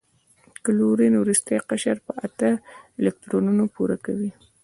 کلورین وروستی قشر په اته الکترونونه پوره کوي.